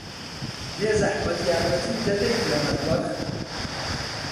بێزەحمەت، یارمەتیم دەدەیت لە مەتبەخ؟